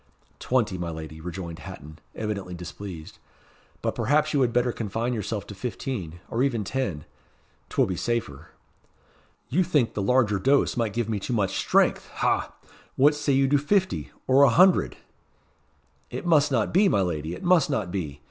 "Twenty, my lady," rejoined Hatton, evidently displeased; "but perhaps you had better confine yourself to fifteen, or even ten. 'T will be safer." "You think the larger dose might give me too much strength ha! What say you to fifty, or a hundred?" "It must not be, my lady it must not be.